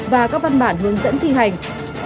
và các văn bản hướng dẫn thi hành